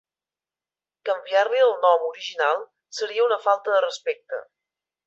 Canviar-li el nom original seria una falta de respecte.